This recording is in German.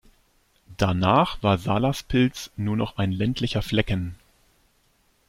Danach war Salaspils nur noch ein ländlicher Flecken.